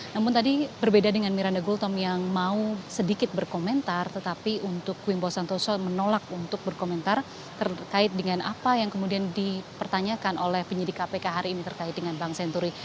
namun tadi berbeda dengan miranda gultom yang mau sedikit berkomentar tetapi untuk wimbo santoso menolak untuk berkomentar terkait dengan apa yang kemudian dipertanyakan oleh penyidik kpk hari ini terkait dengan bank senturi